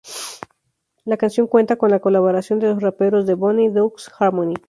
La canción cuenta con la colaboración de los raperos de Bone Thugs-n-Harmony.